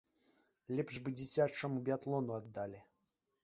Лепш бы дзіцячаму біятлону аддалі.